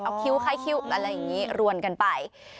เอาคิ้วคล้ายคิ้วอะไรอย่างนี้รวนกันไป